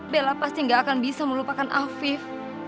bella pasti gak akan bisa melupakan afif